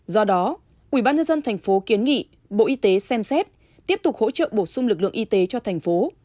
do đó ủy ban nhân dân tp hcm kiến nghị bộ y tế xem xét tiếp tục hỗ trợ bổ sung lực lượng y tế cho thành phố